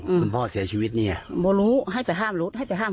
คุณพ่อเสียชีวิตเนี่ยพอรู้ให้ไปห้ามรถให้ไปห้าม